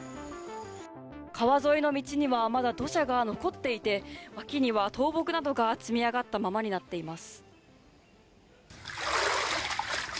川沿いの道には、まだ土砂が残っていて脇には倒木などが積み上がったままになっています。